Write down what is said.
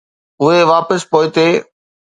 اهي واپس پوئتي.